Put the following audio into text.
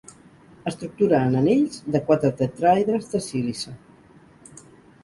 Estructura en anells de quatre tetràedres de sílice.